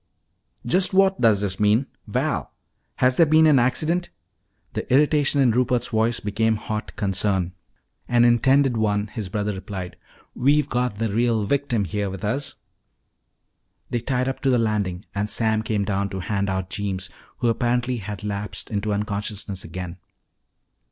"Just what does this mean Val! Has there been an accident?" The irritation in Rupert's voice became hot concern. "An intended one," his brother replied. "We've got the real victim here with us." They tied up to the landing and Sam came down to hand out Jeems who apparently had lapsed into unconsciousness again.